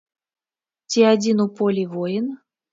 Ці адзін у полі воін?